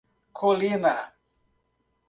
Colina